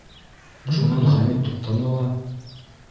Шунан Хәмит туҡтаны ла: